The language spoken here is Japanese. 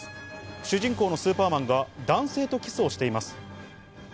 主人公のスーパーマンが男性とキスをしています。